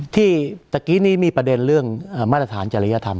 เมื่อกี้นี้มีประเด็นเรื่องมาตรฐานจริยธรรม